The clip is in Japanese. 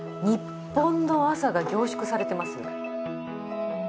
日本の朝が凝縮されてますよ。